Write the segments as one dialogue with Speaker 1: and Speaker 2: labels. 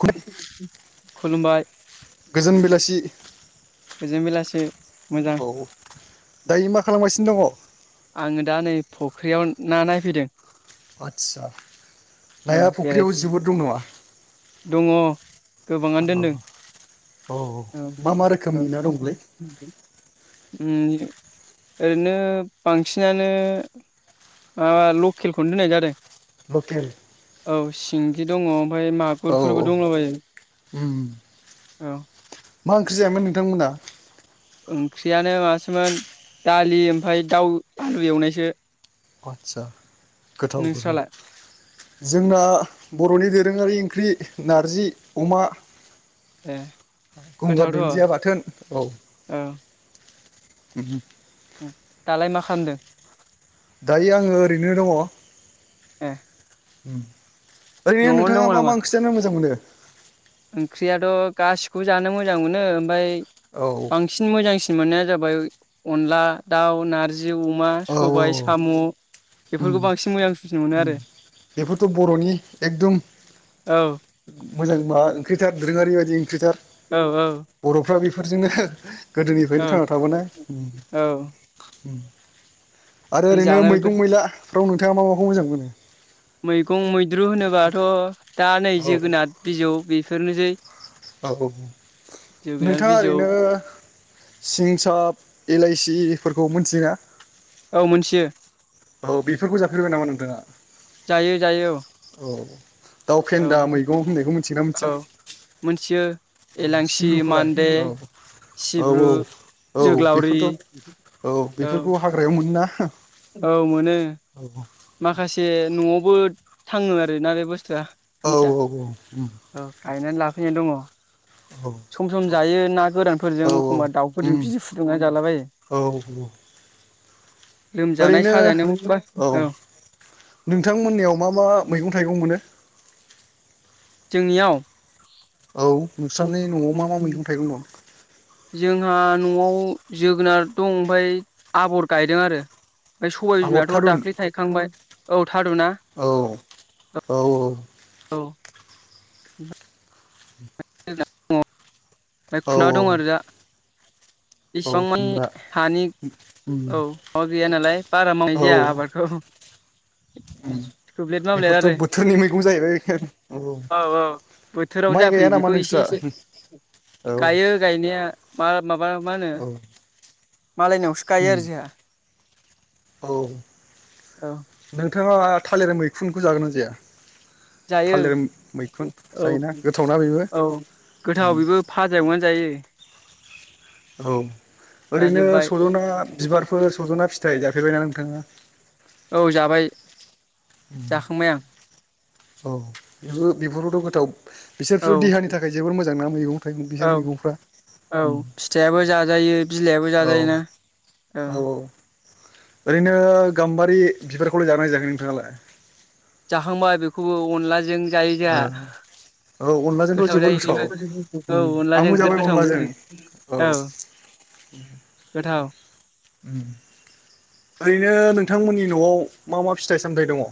Speaker 1: खुब
Speaker 2: खुलुमबाय
Speaker 1: गोजोन बेलासि
Speaker 2: बेजों बेलासे
Speaker 1: औ दायो मा खालामगासिनो दंङ
Speaker 2: फख्रियाव ना नायफैदों
Speaker 1: आदसा नाया फुख्रियाव जोबोद दं नामा?
Speaker 2: दंङ गोबांङानो दोनदों।
Speaker 1: औ मा मा
Speaker 2: औ
Speaker 1: रोखोमनि ना दंलै
Speaker 2: ओरैनो बांसिनानो माबा लकेलखौनो दोननाय जादों।
Speaker 1: लकेल।
Speaker 2: औ सिंगि दंङ ओमफ्राय
Speaker 1: औ
Speaker 2: मागुरफोरबो
Speaker 1: औ
Speaker 2: दंबायो
Speaker 1: उम
Speaker 2: औ
Speaker 1: मा ओंख्रि जायामोन नोंथांमोना?
Speaker 2: ओंख्रियानो मासोमोन दालि ओमफफ्राय दाउ आलु एवनायसो
Speaker 1: आदचा गोथाव गोथाव
Speaker 2: नोंस्रालाय
Speaker 1: जोंना बर'नि दोरोंङारि ओंख्रि नारजि अमा
Speaker 2: ए
Speaker 1: गंगार
Speaker 2: गोथावथ' औ
Speaker 1: दुन्दिया बाथोन औ । ओम।
Speaker 2: दालाय मा खालामदों?
Speaker 1: दायो आंङो ओरैनो दङ
Speaker 2: आ
Speaker 1: ओरैनो नोंथांङा मा मा ओंख्रिथानो मोजां मोनो
Speaker 2: ओंख्रियाथ' गासिखौबो जानो मोजां मोनो ओमफ्राय
Speaker 1: औ
Speaker 2: बांसिन मोजांसिन सि मोननाया जाबाय अनला दाउ नारजि अमा
Speaker 1: औ
Speaker 2: सबाय
Speaker 1: औ
Speaker 2: साम'
Speaker 1: उम
Speaker 2: बेफोरखौ बांसिन मोजांं सुजिनो मोनो आरो
Speaker 1: बेफोरथ' बर'नि एकदम
Speaker 2: औ
Speaker 1: मोजां माबा दोरों आरि बायदि ओंख्रि थार
Speaker 2: औ औ।
Speaker 1: बेफोरजोंनो
Speaker 2: औ
Speaker 1: गोदोनिफ्रायनो थांना थाबोनोनाय
Speaker 2: औ
Speaker 1: । आरो
Speaker 2: बे
Speaker 1: ओरैनो
Speaker 2: जानो
Speaker 1: मैगं मैलाफ्राव नोंथांङा मा माखौ मोजां मोनो
Speaker 2: मैगं मैद्रु होनोबाथ' दा नै
Speaker 1: औ
Speaker 2: जोगोनार बिजौ बेफोरनोसै
Speaker 1: औ।
Speaker 2: जोगोनार
Speaker 1: नोंथांङा
Speaker 2: बिजौ
Speaker 1: ओरैनो सिंसाब इलाइसि फोरखौ मोनथि या ।
Speaker 2: औ मोनथियो
Speaker 1: औ बेफोरखौ जाफेरबाय नामा नोंथांङा
Speaker 2: जायो जायो
Speaker 1: औ दाउ
Speaker 2: औ
Speaker 1: फेन्दा मैगं होननायखौ मिथियोना मिथिया
Speaker 2: औ मोनथियो
Speaker 1: औ
Speaker 2: एलांसि
Speaker 1: सिब्रुखौलाय
Speaker 2: मान्दे
Speaker 1: औ औ
Speaker 2: सिब्रु
Speaker 1: औ । औ
Speaker 2: जोग्लावरि
Speaker 1: बेफोरथ' औ बेफोरखौ हाग्रायाव मोनो ना ।
Speaker 2: औ मोनो। माखासे न'आवबो थाङो आरोना बेबोस युवा
Speaker 1: औ
Speaker 2: दिन्थिया
Speaker 1: औ
Speaker 2: औ गायनानै लाफैनाय दङ' ।
Speaker 1: औ।
Speaker 2: जायो ना गोरानफोरजों एखमबा दाउफोरजों बिजि फुदुंनानै जालाबायो ।
Speaker 1: औ औ
Speaker 2: लोमजानाय
Speaker 1: ओरैनो
Speaker 2: साजानायावबा औ।
Speaker 1: नोंथांमोननियाव मा मा मैगं थाइगं मोनो?
Speaker 2: जोंनियाव?
Speaker 1: औ नोंस्रानि न'आव मा मा मैगं थाइगं दं
Speaker 2: जोंहा न'आव जोगोनार दं ओमफ्राय आबर गायदों आरो । ओमफ्राय सबाय
Speaker 1: आगर
Speaker 2: बिमायाथ'
Speaker 1: थारुन
Speaker 2: दाख्लै थायखांबाय औ थारुना
Speaker 1: औ औ
Speaker 2: औ [unintelligible]
Speaker 1: औ
Speaker 2: खुना दं ओरैजा,
Speaker 1: [unintelligible]
Speaker 2: बेसेबां मोन,
Speaker 1: खुमब्रा
Speaker 2: हानि
Speaker 1: उम
Speaker 2: औ मा गैया नालाय बारा मावनाय जाया आबादखौ,
Speaker 1: ओम
Speaker 2: थोब्लेद माब्लेद
Speaker 1: बेफोरथ'
Speaker 2: आरो
Speaker 1: बोथोरनि मैगं जाहैबाय औ
Speaker 2: बोथोराव
Speaker 1: माइ गया
Speaker 2: जाफैयो
Speaker 1: नामा नों
Speaker 2: [unintelligible] गायो गायनाया मा माबा मा होनो,
Speaker 1: औ
Speaker 2: मालायनावसो गायो
Speaker 1: उम
Speaker 2: आरो जोंहा,
Speaker 1: औ
Speaker 2: औ
Speaker 1: नोंथाङा थालिर मैखुनखौ जागोन ना जाया?
Speaker 2: जायो
Speaker 1: थालिर मैखुन जायोना गोथावना बेबो,
Speaker 2: गोथावाव बेबो फाजि एनानै जायो।
Speaker 1: औ ओरैनो
Speaker 2: जाजोब्बाय
Speaker 1: सज'ना बिबारफोर सज'ना फि फिथाइ जाफेरबायना नोंथाङा?
Speaker 2: औ जाबाय जाखांबाय आं
Speaker 1: औ बेबो बेफोरबोथ' गोथाव
Speaker 2: औ
Speaker 1: बिसोरथ' देहानि थाखाय जोबोर मोजां ना मैगं थाइगं
Speaker 2: औ
Speaker 1: बिसोर मैगंफ्रा,
Speaker 2: औ फिथाइयाबो जाजायो बिलाइआबो जाजायोना?
Speaker 1: औ औ ओरैनो गाम्बारि बिबारखौलाय जानाय जायाखै नोंथाङालाय,
Speaker 2: जाखांबाय बेखौबो अनलाजों जायो जोंहा,
Speaker 1: औ अनलाजोंथ'
Speaker 2: गोथाव
Speaker 1: जोबोर
Speaker 2: जायो बेबो औ
Speaker 1: उम
Speaker 2: अनलाजों
Speaker 1: आंबो
Speaker 2: गोद
Speaker 1: जाबाय
Speaker 2: गोथाव
Speaker 1: अनलाजों
Speaker 2: मोनो औ गोथाव,
Speaker 1: ओम ओरैनो नों नोंथांमोननि न'आव मा मा फिथाइ सामथाइ दङ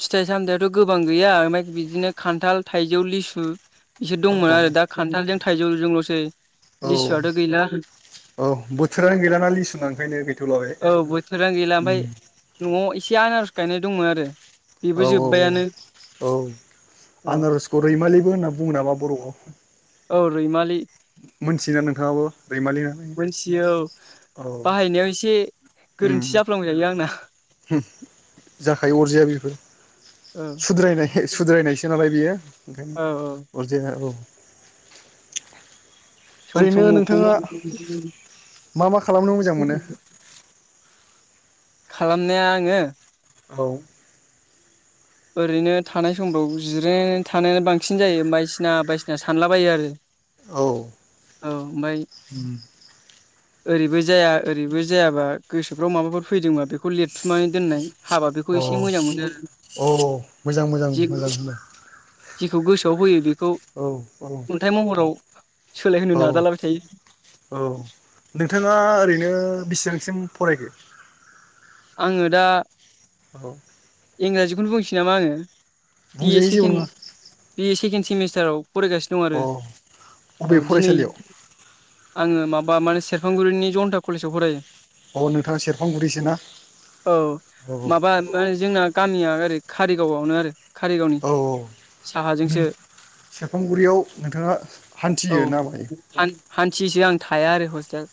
Speaker 2: फिथाइ सामथायाइाथ' गोबां गैया ओमफ्राय बिदिनो खान्था, थाइजौ, लिसु, बिसोर
Speaker 1: औ
Speaker 2: दंमोन आरो दा खान्थालजों थाइजौजोंल'सै लिसुआथ' गैला
Speaker 1: औ बोथोरानो गैलााना लिसु ओंखायनो गैथ'लाबे
Speaker 2: औ बोथोरानो गैला ओमफ्राय
Speaker 1: ओम
Speaker 2: न'आव एसे आनारज गायनाय दंमोन आरो बेबो
Speaker 1: औ औ औ
Speaker 2: जोब्बायानो
Speaker 1: औ
Speaker 2: औ
Speaker 1: आनारसखौ रैमालिबो होनना बुङो नामा बर'आव?
Speaker 2: औ रैमालि
Speaker 1: मोनथियोना नोंथाङाबो? रैमालि होननानै
Speaker 2: मोनथियो औ
Speaker 1: औ
Speaker 2: बाहायनायाव एसे गोरोन्थि जाफ्लांथायो आंना,
Speaker 1: हो जाखायो अरजाया बेफोर
Speaker 2: औ
Speaker 1: सुद्रायनाय सुद्रायनायसो नालाय बेयो ओंखायनो
Speaker 2: औ औ
Speaker 1: अरजाया औ
Speaker 2: सम
Speaker 1: ओरैनो
Speaker 2: समखौ
Speaker 1: नोंथाङा मा मा खालामनो मोजां मोनो?
Speaker 2: खालामनाया आङो।
Speaker 1: औ
Speaker 2: ओरैनो थानाय समफ्राव जिरायनानै थानायानो बांसिन जायो बायदिसिना बायसिना सानलाबायो आरो
Speaker 1: औ
Speaker 2: औ ओमफ्राय
Speaker 1: उम
Speaker 2: ओरैबो जाया ओरैबो जायाबा गोसोफ्राव माबाफोर फैदोंबा बेखौ लिरथुमनानै दोननाय, हाबा बेखौ एसे मोजां मोनो
Speaker 1: औ औ मोजां मोजां मोजां होनो
Speaker 2: जिखौ गोसोआव फैयो बेखौ
Speaker 1: औ
Speaker 2: खन्थाइ महराव, सोलायहोनो
Speaker 1: औ
Speaker 2: नाजालाबाय थायो
Speaker 1: औ नोंथाङा ओरैनो, बेसेबांसिम फरायखो?
Speaker 2: आङो दा
Speaker 1: औ।
Speaker 2: इंराजिखौनो बुंसै नामा आङो बि ए
Speaker 1: बुंजायो जेबो
Speaker 2: सेकेण्ड
Speaker 1: नङा
Speaker 2: बि ए सेकेणड सेमिस्टाराव फरायगासिनो दं
Speaker 1: अ
Speaker 2: आरो
Speaker 1: बबे
Speaker 2: औ दिनै
Speaker 1: फरायसालियाव
Speaker 2: आङो माबा माने सेरफांगुरिनि जन्था कलेजाव फरायो।
Speaker 1: औ नोंथांङा सेर सेरफांगुरिसो ना
Speaker 2: औ माबा म जोंना गामिया ओरै कारिगावआवनो आरो। कारिगावनि
Speaker 1: औ नों
Speaker 2: साहाजोंसो
Speaker 1: सेरफांगुरियाव नोंथाङा हान्थियो ना बायो
Speaker 2: थियोसो आं थाया आरो हस्टेल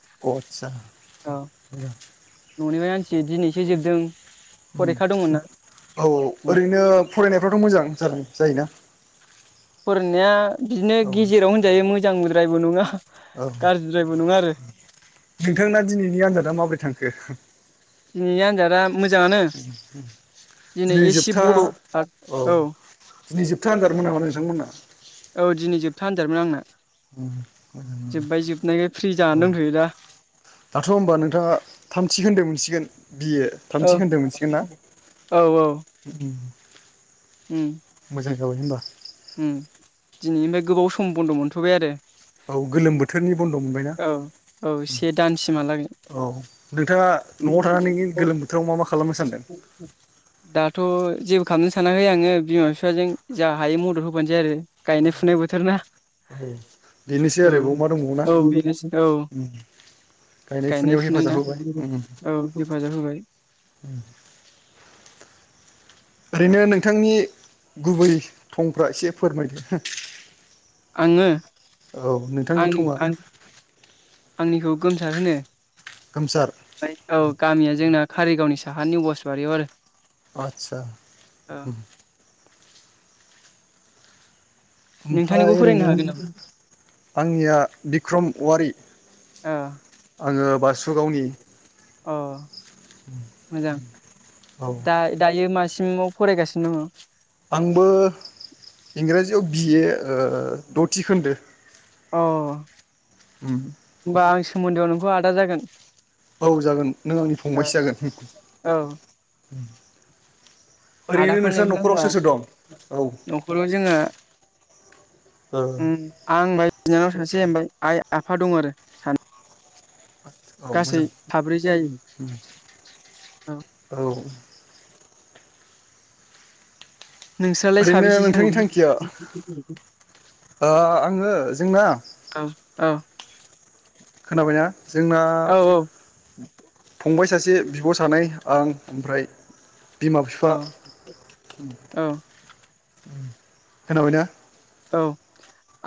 Speaker 2: औ न'निफ्राय आं दिनैसो जोबदों। दंमोन ना
Speaker 1: औ औ ओरैनो फरायनायफ्राथ' मोजां जादों जायोना
Speaker 2: फरायनाया बिदिनो
Speaker 1: औ
Speaker 2: गेजेराव होनजायो मोजां बुद्रायबो नङा।
Speaker 1: औ
Speaker 2: गाज्रिद्रायबो नङा आरो
Speaker 1: नोंथांना दिनैनि आनजादा माबोरै थांखो?
Speaker 2: दिनैनि आन्जादा मोजाङानो। दिनै एसे बड' औ
Speaker 1: दिनै जोबथा आजार मोन नामा नोंथांमोना?
Speaker 2: था आनजादमोन आंना। जोब्बाय जोबनायखाय फ्रि
Speaker 1: औ।
Speaker 2: जानानै दंथ'यो दा
Speaker 1: दाथ' होमबा नोंथाङा थामथिखोन्दो मोनसिगोन? बि ए
Speaker 2: औ
Speaker 1: थामथि खोन्दो मोनसिगोन ना?
Speaker 2: औ औ उम।
Speaker 1: औ होमबा
Speaker 2: उम दिनैनिफ्राय गोबाव सम बन्द' मोनथ'बाय आरो।
Speaker 1: औ गोलोम बोथोरनि बन्द' मोनबायना?
Speaker 2: औ औ से दानसिमहालागै
Speaker 1: औ नोंथाङा न'आव थानानै गोलोम बोथोराव मा मा खालामनो सानदों?
Speaker 2: दाथ' जेबो खालामनो सानाखै आङो बिमा बिफाजों जा हायो मद होफानोसै आरो गायनाय फुनाय बोथोर ना।
Speaker 1: औ बेनोसै
Speaker 2: औ
Speaker 1: आरोबाव मा दंबावो ना।
Speaker 2: औ बेनोसै औ
Speaker 1: गायनाय फुनायाव
Speaker 2: फुनाय ना
Speaker 1: हेफाजाब होबाय, उम।
Speaker 2: औ हेफाजाब होबाय
Speaker 1: [unintelligible] ओरैनो नोंथांनि गुबै थंफ्रा एसे फोरमायदो
Speaker 2: आङो आं
Speaker 1: औ नोंथांनि
Speaker 2: आन
Speaker 1: थङा
Speaker 2: आन आंनिखौ गोमसार होनो
Speaker 1: खोमसार
Speaker 2: ओफ्राय औ गामिया जोंना कारिगावनि साहानि बसबारियाव आरो।
Speaker 1: आतचा।
Speaker 2: औ नोंथांनिखौ
Speaker 1: ओमफ्राय
Speaker 2: फोरोंनो
Speaker 1: ओरैनो
Speaker 2: हागोन नामा
Speaker 1: आंनिया बिक्रम औवारि।
Speaker 2: औ
Speaker 1: आङो बासुगावनि।
Speaker 2: अ मोजां
Speaker 1: औ
Speaker 2: दा दायो मासे फुंआव फरायगासिनो दङ।
Speaker 1: आंबो इंराजियाव बिए ओ। दथि खोन्दो
Speaker 2: अ।
Speaker 1: ओम।
Speaker 2: आं सोमोन्दोआव नोंखौ आदा जागोन।
Speaker 1: औ जागोन नों आंनि फंबायसो जागोन।
Speaker 2: औ
Speaker 1: ओरैनो
Speaker 2: आदाखौनो
Speaker 1: नोंस्रा
Speaker 2: लिंनोसै
Speaker 1: न'खराव
Speaker 2: होनबा
Speaker 1: सोर सोर दं? औ
Speaker 2: ओ आं [unintelligible] बिनानाव सासे आइ आफा दं आरो सानै
Speaker 1: औ
Speaker 2: गासै
Speaker 1: मोजां
Speaker 2: साब्रै जायो। औ। नोंस्रालाय
Speaker 1: ओरैनो
Speaker 2: साबेसेसो
Speaker 1: नोंथांनि
Speaker 2: दङ?
Speaker 1: थांखिया ओ आङो जोंना?
Speaker 2: ओ।
Speaker 1: खोनाबायना जोंना फंबाय सासे बिब' सानै आं ओमफ्राय बिमा बिफा ओम
Speaker 2: औ
Speaker 1: ओम खोनाबायना?
Speaker 2: औ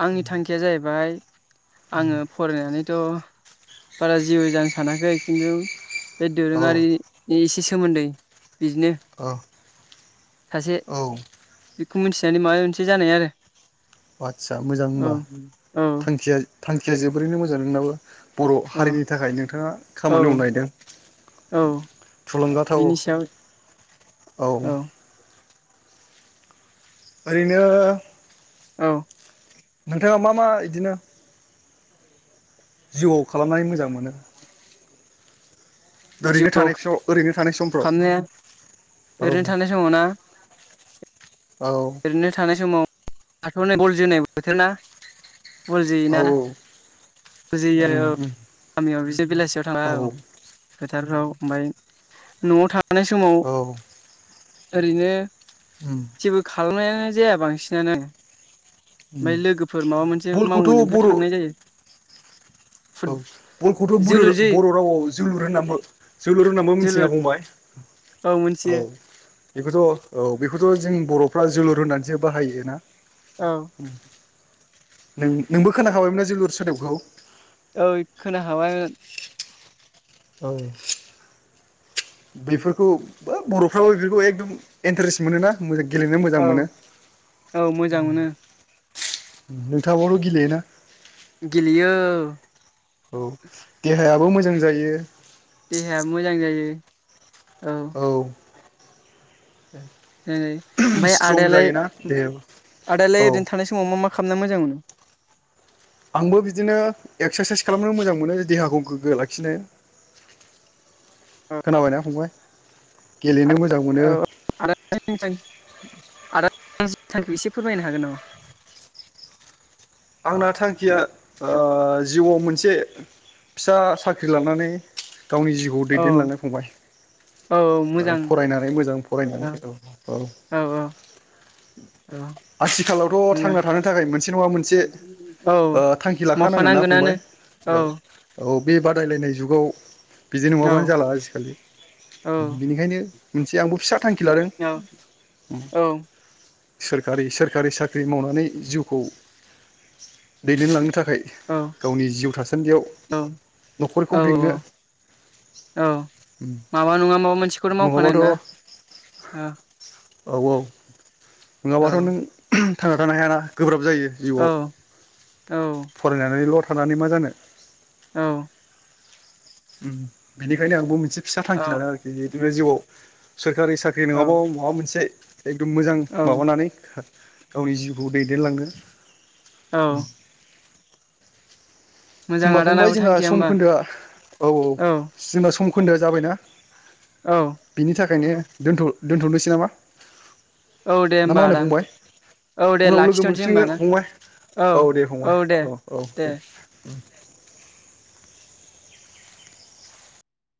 Speaker 2: आंनि थांखिया जाहैबाय। आङो फरायनानैथ' बारा जेबो जानो सानाखै खिन्थु बे
Speaker 1: औ
Speaker 2: दोरोङारि‌‌ इ‌ एसे सोमोन्दै बिदिनो
Speaker 1: औ
Speaker 2: सासे
Speaker 1: औ
Speaker 2: खौ मिन्थिनानै‌ माबा मोनसे जानाय आरो
Speaker 1: आदसा मोजां
Speaker 2: औ
Speaker 1: होनबा
Speaker 2: औ
Speaker 1: थांखिया थांखिया जोबोरैनो मोजां नोंनाबो बर'
Speaker 2: औ
Speaker 1: हारिनि थाखाय नोंथाङा
Speaker 2: औ
Speaker 1: खामानि मावनो‌
Speaker 2: औ
Speaker 1: नागिदों‌ थुलुंगाथाव
Speaker 2: बिनि
Speaker 1: औ
Speaker 2: सायाव
Speaker 1: औ‌
Speaker 2: औ
Speaker 1: ओरैनो
Speaker 2: औ
Speaker 1: नोंथाङा मा मा इदिनो? जिउआव खालामनाय मोजां मोनो ओरैनो
Speaker 2: जिउआव
Speaker 1: थानाय फिसाव ओरैनो थानाय समफ्राव
Speaker 2: खालामनाया
Speaker 1: औ
Speaker 2: ओरैनो थानाय समाव ना
Speaker 1: औ
Speaker 2: ओरैनो थानाय समाव हाथ'नाय बल जोनाय बोथोर ना बल जोयो
Speaker 1: औ
Speaker 2: ना फुजियो [unintelligible]
Speaker 1: उम
Speaker 2: औ
Speaker 1: उम
Speaker 2: गामियाव बेलासियाव थाङा औ हासारफ्राव ओमफ्राय न'आव थानाय समाव
Speaker 1: औ
Speaker 2: ओरैनो
Speaker 1: उम
Speaker 2: जेबो खालामनायानो जाया बांसिनानो
Speaker 1: उम
Speaker 2: ओमफफ्राय लोगोफोर माबा मोनसे
Speaker 1: बलखौथ'
Speaker 2: मावो लेंबा‌
Speaker 1: बर'
Speaker 2: थांनाय जायो फुट
Speaker 1: औ बलखौथ'
Speaker 2: जोलुर जि
Speaker 1: बर'बर' रावाव जोलुर होननाबो जोलुर होननाबो मिन्थियो
Speaker 2: जोलुर
Speaker 1: ना फंबाय? [inaudible]
Speaker 2: औ मोन्थियो।
Speaker 1: बेखौथ' औ बेखौथ' जों बर'फ्रा जोलुर होननानैसो बाहायो ना?
Speaker 2: औ
Speaker 1: नों नोंबो खोनाखाबायमोनना जोलुर सोदोबखौ?
Speaker 2: ओय खोना हाबाय
Speaker 1: औ बेफोरखौ -ब बर'फ्राबो बेफोरखौ एकदम इन्टारेस्ट मोन ना मो गेलेनो मोजां
Speaker 2: औ
Speaker 1: मोनो
Speaker 2: औ मोजां मोनो
Speaker 1: नोंथाङाबोथ' गेलेयोना?
Speaker 2: गेलयो।
Speaker 1: औ देहायाबो मोजां जायो
Speaker 2: देहायाबो‌ मोजां जायो।
Speaker 1: औ
Speaker 2: ओम ओमफ्राय
Speaker 1: स्ट्रं
Speaker 2: आदायालाय
Speaker 1: जायोना देहायाबो
Speaker 2: आदायालाय
Speaker 1: औ
Speaker 2: ओरैनो थानाय समाव मा मा खालामना मोजां मोनो
Speaker 1: आंबो बिदिनो एक्सारसाइस खालामनो मोजां मोनो देहाखौ गोग्गो लाखिनो
Speaker 2: औ
Speaker 1: खोनाबायना फंबाय गेलेनो मोजां मोनो
Speaker 2: आदा औ आदानि आदा [unintelligible] एसे फोरमायनो हागोन नामा
Speaker 1: आंना थांखिया ओ जिउआव मोनसे फिसा साख्रि लानानै गावनि जिउखौ
Speaker 2: औ
Speaker 1: दैदेनलांनो फंबाय।
Speaker 2: औ
Speaker 1: ओ
Speaker 2: मोजां
Speaker 1: फरायनानै मोजां फरायनानै औ औ
Speaker 2: औ
Speaker 1: आथिखालावथ'
Speaker 2: मोजां
Speaker 1: थांना थानो थाखाय मोनसे नङा मोनसे
Speaker 2: औ
Speaker 1: ओ थांखि लाखानांगोन ना फंबाय
Speaker 2: मावफानांगोनानो औ
Speaker 1: ओ औ बे बादायलायनाय जुगाव बिदिनो
Speaker 2: औ
Speaker 1: नङाबानो जाला आजिखालि बिनिखायनो मोनसे आंबो फिसा थांखि लादों
Speaker 2: औ औ।
Speaker 1: सोरखारि सोरखारि साख्रि मावनानै जिउखौ दैदेनलांनो था खाय
Speaker 2: औ
Speaker 1: गावनि जिउ थासान्दियाव
Speaker 2: औ औ
Speaker 1: न'खरखौ बेंनो
Speaker 2: औ माबा नङा माबा मोनसेखौनो' मावखानांगौ
Speaker 1: नङाबाथ'
Speaker 2: ना औ।
Speaker 1: औ औ
Speaker 2: औ
Speaker 1: नङाबाथ' नों थांना थानो हायाना गोब्राब जायो
Speaker 2: औ
Speaker 1: जिउआव।
Speaker 2: औ।
Speaker 1: नैल' थानानै मा जानो।
Speaker 2: औ।
Speaker 1: ओम बेनिखायनो आंबो मोनसे फिसा थांखि लादों आरोखि जिहुथे बे जिउआव सोर सोरकारि साख्रि
Speaker 2: औ
Speaker 1: नङाबो माबा मोनसे एकदम मोजां माबानानै गावनि जिउखौ दैदेनलांनो।
Speaker 2: औ। मोजां
Speaker 1: होमबा फंबाय
Speaker 2: आदानाबो
Speaker 1: जोंना
Speaker 2: थांखिया
Speaker 1: सम
Speaker 2: होमबा
Speaker 1: खोन्दोआ औ औ जोंना सम खोन्दोआ जाबायना?
Speaker 2: औ।
Speaker 1: बेखायनो दोनथ' दोनथ'नोसै नामा?
Speaker 2: औ
Speaker 1: ना मा
Speaker 2: देहोमबा
Speaker 1: होनो
Speaker 2: आदा।
Speaker 1: फंबाय
Speaker 2: औ दे
Speaker 1: उनाव लोगो
Speaker 2: लाखिथ'नोसै होमबा
Speaker 1: मोनफिनगोन
Speaker 2: ना
Speaker 1: फंबाय औ दे फंबाय औ औ दे। [inaudible]